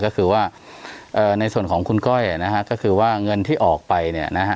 ก็คือว่าในส่วนของคุณก้อยนะฮะก็คือว่าเงินที่ออกไปเนี่ยนะฮะ